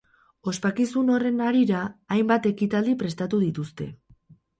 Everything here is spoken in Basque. Ospakizun horren harira, hainbat ekitaldi prestatu dituzte.